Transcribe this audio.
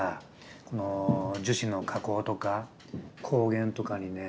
この樹脂の加工とか光源とかにね